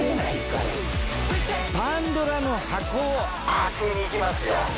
パンドラの箱を開けに行きますよ。